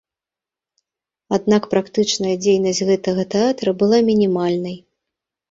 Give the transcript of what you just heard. Аднак, практычная дзейнасць гэтага тэатра была мінімальнай.